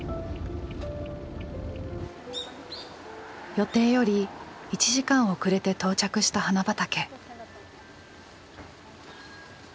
予定より１時間遅れて到着した花畑。